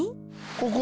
ここ。